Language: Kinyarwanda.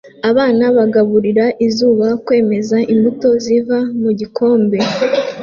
Abana bagaburira izuba Kwemeza imbuto ziva mu gikombe